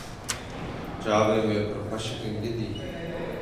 Çavên wê pir xweşik in gidî.